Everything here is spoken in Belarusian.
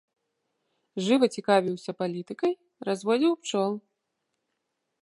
Жыва цікавіўся палітыкай, разводзіў пчол.